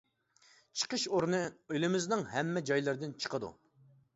چىقىش ئورنى ئېلىمىزنىڭ ھەممە جايلىرىدىن چىقىدۇ.